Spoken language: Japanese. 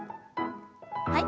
はい。